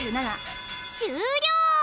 終了！